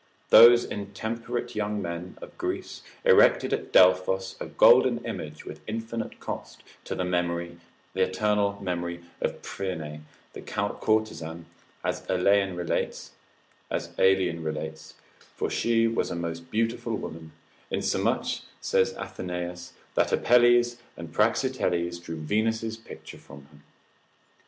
Those intemperate young men of Greece erected at Delphos a golden image with infinite cost, to the eternal memory of Phryne the courtesan, as Aelian relates, for she was a most beautiful woman, insomuch, saith Athenaeus, that Apelles and Praxiteles drew Venus's picture from her.